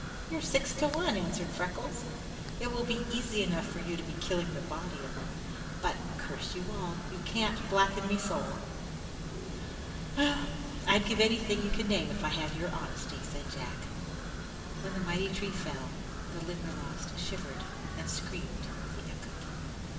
"You're six to one," answered Freckles. "It will be easy enough for you to be killing the body of me, but, curse you all, you can't blacken me soul!" "Well, I'd give anything you could name if I had your honesty," said Jack. When the mighty tree fell, the Limberlost shivered and screamed with the echo.